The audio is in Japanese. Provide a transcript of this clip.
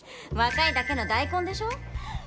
若いだけの大根でしょ。